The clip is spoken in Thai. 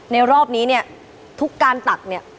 รอบนี้เนี่ยทุกการตักเนี่ย